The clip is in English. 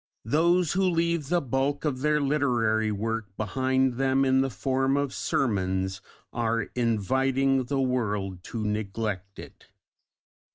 Those who leave the bulk of their literary work behind them in the form of sermons are inviting the world to neglect it.